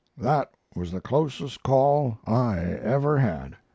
That was the closest call I ever had."